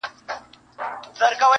د غزلونو ربابونو مېنه-